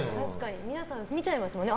皆さん見ちゃいますもんね。